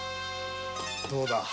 どうだ？